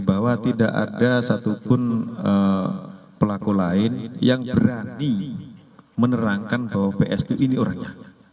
bahwa tidak ada satupun pelaku lain yang berani menerangkan bahwa ps itu ini orangnya